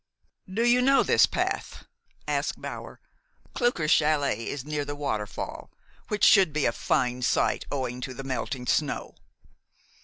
"Do you know this path?" asked Bower. "Klucker's chalet is near the waterfall, which should be a fine sight owing to the melting snow."